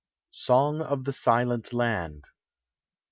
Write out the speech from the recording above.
SONG OF THE SILENT LAND.